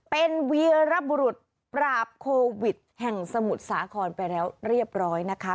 เป็นวีรบุรุษปราบโควิดแห่งสมุทรสาครไปแล้วเรียบร้อยนะคะ